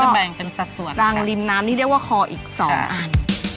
แบ่งเป็นสัดส่วนรังริมน้ำนี่เรียกว่าคออีก๒อัน